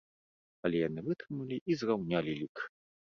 Але яны вытрымалі і зраўнялі лік!